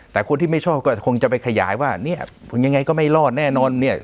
แต่คนที่ไม่ชอบก็คงจะไปขยายว่าเนี่ยยังไงก็ไม่รอดแน่นอนเนี่ย